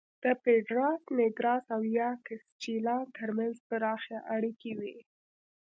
د پېډراس نېګراس او یاکسچیلان ترمنځ پراخې اړیکې وې